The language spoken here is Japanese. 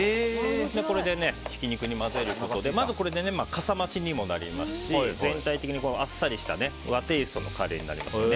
これでひき肉と混ぜることでかさ増しにもなりますし全体的にあっさりした和テイストのカレーになります。